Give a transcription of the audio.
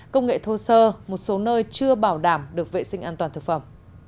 công nghệ thô sơ một số nơi chưa bảo đảm được vệ sinh an toàn thực phẩm